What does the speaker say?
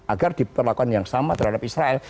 agar diperlakukan yang sama terhadap israel